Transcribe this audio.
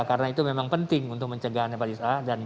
karena itu memang penting untuk mencegah hepatitis a dan b